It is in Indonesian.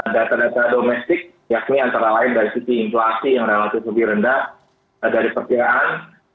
data data domestik yakni antara lain dari sisi inflasi yang relatif lebih rendah dari perkiraan